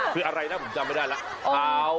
คืออะไรนะผมจำไม่ได้แล้ว